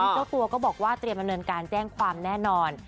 เจ้าตัวก็บอกว่าเตรียมดำเนินการแจ้งความแน่นอน